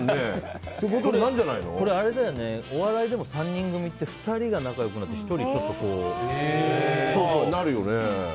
これ、お笑いでも３人組って２人が仲良くなって１人がってね。